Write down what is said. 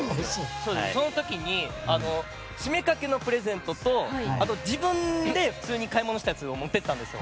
その時に七五三掛のプレゼントと自分で普通に買い物したやつを持って行ったんですよ。